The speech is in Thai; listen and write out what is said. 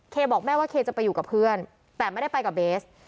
บอกแม่ว่าเคจะไปอยู่กับเพื่อนแต่ไม่ได้ไปกับเบส